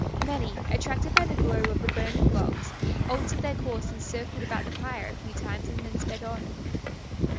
Many, attracted by the glow of the burning logs, altered their course and circled about the fire a few times and then sped on.